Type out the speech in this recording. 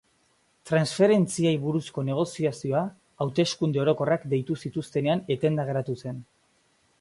Transferentziei buruzko negoziazioa hauteskunde orokorrak deitu zituztenean etenda geratu zen.